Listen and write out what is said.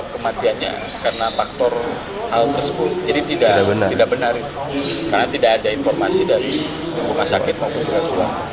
karena tidak ada informasi dari rumah sakit maupun keluarga korban